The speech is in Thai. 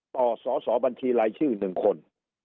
สอสอบัญชีรายชื่อ๑คน